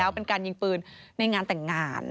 เป็นการยิงปืนในงานแต่งงาน